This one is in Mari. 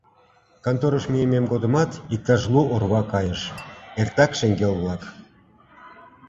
Канторыш мийымем годымат иктаж лу орва кайыш: эртак шеҥгел-влак.